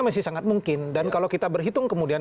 masih sangat mungkin dan kalau kita berhitung kemudian